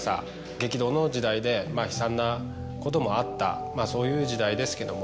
激動の時代で悲惨なこともあったそういう時代ですけども。